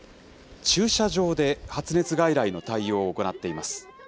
駐車場で発熱外来の対応を行っています。